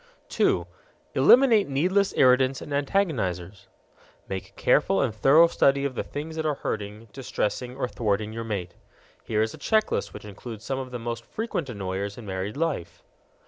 2. Eliminate needless irritants and antagonizers. Make a careful and thorough study of the things that are hurting, distressing, or thwarting your mate. Here is a check list which includes some of the most frequent annoyers in married life.